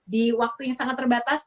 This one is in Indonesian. di waktu yang sangat terbatas